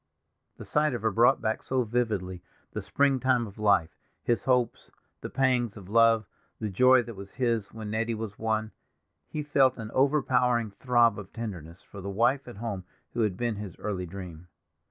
The sight of her brought back so vividly the springtime of life; his hopes, the pangs of love, the joy that was his when Nettie was won; he felt an overpowering throb of tenderness for the wife at home who had been his early dream.